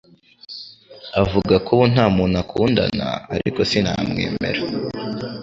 Avuga ko ubu nta muntu akundana, ariko sinamwemera.